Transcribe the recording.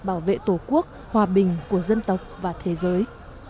bảo vệ tổ quốc hòa bình của dân tộc và thế giới